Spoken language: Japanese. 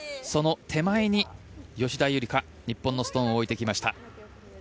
その手前に吉田夕梨花日本のストーンを置いてきました。